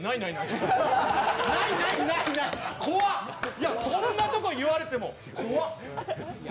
いや、そんなとこ言われても、怖っ。